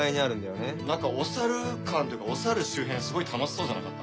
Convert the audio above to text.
なんかおさる館というかお猿周辺すごい楽しそうじゃなかった？